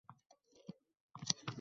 Bobolarimiz jasorati bizni faxrlantiradi